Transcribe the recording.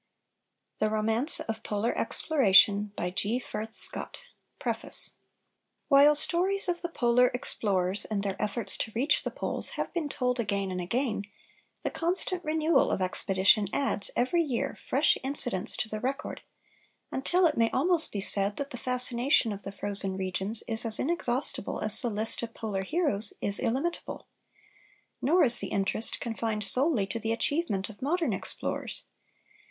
A. THE ROMANCE OF MODERN GEOLOGY SEELEY & CO., LIMITED Preface While stories of the Polar explorers and their efforts to reach the Poles have been told again and again, the constant renewal of expeditions adds, every year, fresh incidents to the record, until it may almost be said that the fascination of the frozen regions is as inexhaustible as the list of Polar heroes is illimitable. Nor is the interest confined solely to the achievement of modern explorers.